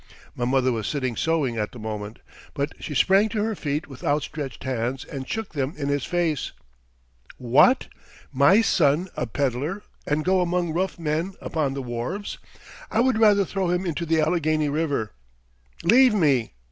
My mother was sitting sewing at the moment, but she sprang to her feet with outstretched hands and shook them in his face. "What! my son a peddler and go among rough men upon the wharves! I would rather throw him into the Allegheny River. Leave me!"